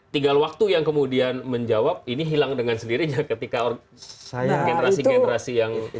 tinggal waktu yang kemudian menjawab ini hilang dengan sendirinya ketika generasi generasi yang